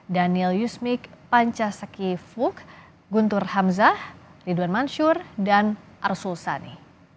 daniel yusmik pancasakye fug guntur hamzah ridwan mansur dan arsul sani